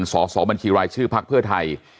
สอบบัญชีรายชื่อพักเพื่อไทย